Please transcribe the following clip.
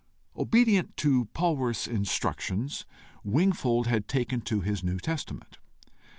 Obedient to Polwarth's instructions, Wingfold had taken to his New Testament.